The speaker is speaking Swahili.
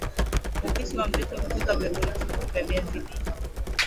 Upishi wa mvuke hutunza virutubisho vya viazi lishe